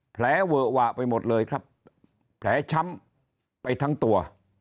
แผลเวอะหวะไปหมดเลยครับแผลช้ำไปทั้งตัว